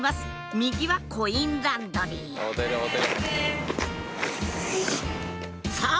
右はコインランドリーそう！